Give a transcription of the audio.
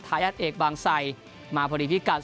ท้ายาทเอกบางไสมาพอดีพี่กัด